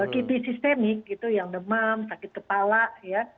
kipi sistemik gitu yang demam sakit kepala ya